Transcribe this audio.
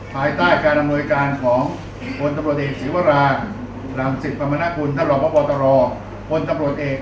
ภายใต้การอำนวยการของคนตำรวจเอกศิวราหลังศิษย์ภรรณคุณธรปบตรคนตำรวจเอก